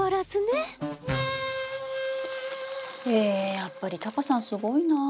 やっぱりタカさんすごいな。